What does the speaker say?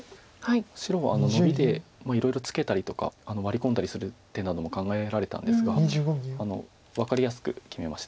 白はノビでいろいろツケたりとかワリ込んだりする手なども考えられたんですが分かりやすく決めました。